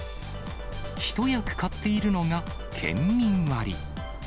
一役買っているのが、県民割。